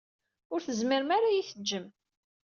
Ur tezmirem ara ad iyi-teǧǧem.